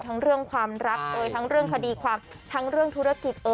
เรื่องความรักทั้งเรื่องคดีความทั้งเรื่องธุรกิจ